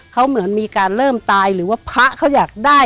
เขาเหมือนมีการเริ่มตายหรือว่าพระเขาอยากได้